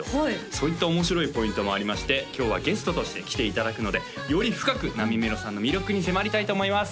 そういった面白いポイントもありまして今日はゲストとして来ていただくのでより深くなみめろさんの魅力に迫りたいと思います